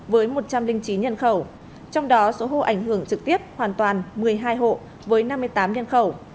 với một trăm linh chín nhân khẩu trong đó số hộ ảnh hưởng trực tiếp hoàn toàn một mươi hai hộ với năm mươi tám nhân khẩu